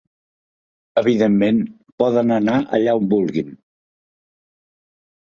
Evidentment, poden anar allà on vulguin.